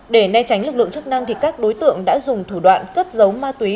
để ne tránh lực lượng chức năng thì các đối tượng đã dùng thủ đoạn cất dấu ma túy